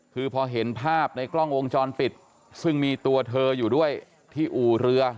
คือพอเห็นภาพในกล้องวงจรปิดซึ่งมีตัวเธออยู่ด้วยที่อู่เรือ